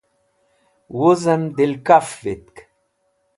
wuzem dilkaf vitk